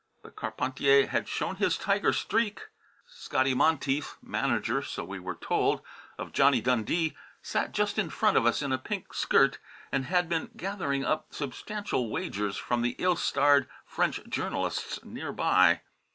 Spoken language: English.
But Carpentier had shown his tiger streak. Scotty Monteith, manager (so we were told) of Johnny Dundee, sat just in front of us in a pink skirt, and had been gathering up substantial wagers from the ill starred French journalists near by.